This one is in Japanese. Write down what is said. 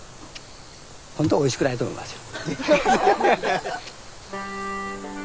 本当はおいしくないと思いますよ。